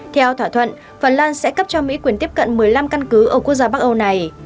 theo thỏa thuận phần lan sẽ cấp cho mỹ quyền tiếp cận một mươi năm căn cứ ở quốc gia bắc âu này